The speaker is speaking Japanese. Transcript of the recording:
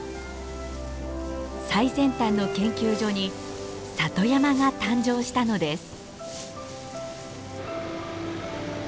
最先端の研究所に里山が誕生したのです。